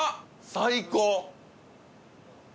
最高！